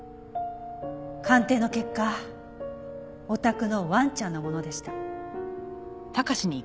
鑑定の結果お宅のワンちゃんのものでした。